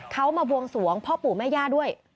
เขามาบวงสวงพ่อปู่แม่ย่าด้วย